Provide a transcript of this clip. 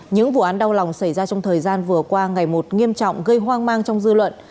những vụ án đau lòng xảy ra trong thời gian vừa qua ngày một nghiêm trọng gây hoang mang trong dư luận